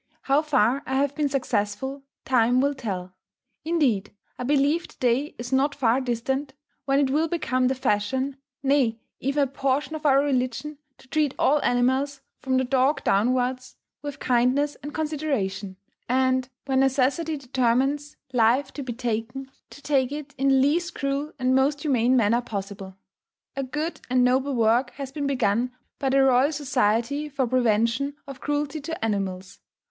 How far I have been successful, time will tell. Indeed, I believe the day is not far distant, when it will become the fashion, nay even a portion of our religion, to treat all animals, from the dog downwards, with kindness and consideration; and, when necessity determines life to be taken, to take it in the least cruel and most humane manner possible. A good and noble work has been begun by the Royal Society for Prevention of Cruelty to Animals.